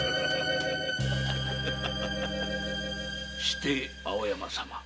して青山様。